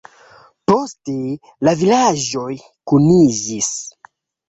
Poste la vilaĝoj kuniĝis.